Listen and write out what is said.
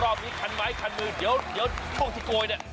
รอบนี้คันไม้คันมือเดี๋ยวช่วงที่โกยเนี่ย